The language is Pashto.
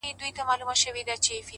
د دې سړي د هر يو رگ څخه جانان وځي;